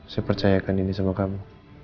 saya percayakan ini sama kamu